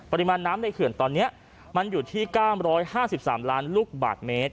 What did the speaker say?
ปริมาณน้ำในเขื่อนตอนเนี้ยมันอยู่ที่เก้ามร้อยห้าสิบสามล้านลูกบาทเมตร